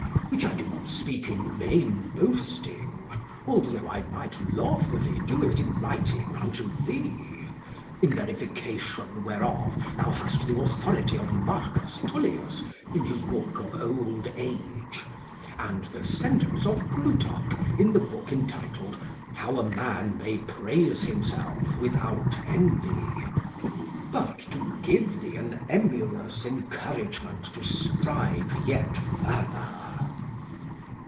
Which I do not speak in vain boasting, although I might lawfully do it in writing unto thee in verification whereof thou hast the authority of Marcus Tullius in his book of old age, and the sentence of Plutarch in the book entitled How a man may praise himself without envy but to give thee an emulous encouragement to strive yet further.